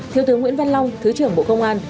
thiếu tướng nguyễn văn long thứ trưởng bộ công an